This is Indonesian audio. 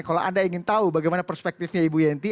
kalau anda ingin tahu bagaimana perspektifnya ibu yenti